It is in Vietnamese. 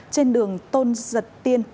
trên đường tôn giật tiên